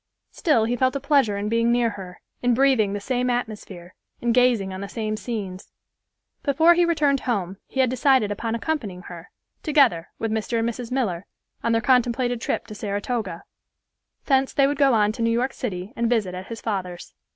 Still he felt a pleasure in being near her, in breathing the same atmosphere and gazing on the same scenes. Before he returned home he had decided upon accompanying her, together, with Mr. and Mrs. Miller, on their contemplated trip to Saratoga; thence they would go on to New York City, and visit at his father's.